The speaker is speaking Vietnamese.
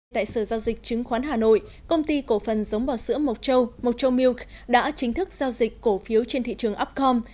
tại sở giao dịch chứng khoán hà nội công ty cổ phần giống bò sữa mộc châu mộc châu milk đã chính thức giao dịch cổ phiếu trên thị trường upcom